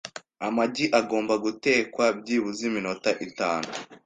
Amagi agomba gutekwa byibuze iminota itanu .